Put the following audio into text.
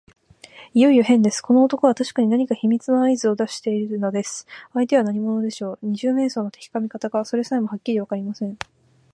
いよいよへんです。この男はたしかに何か秘密のあいずをしているのです。相手は何者でしょう。二十面相の敵か味方か、それさえもはっきりわかりません。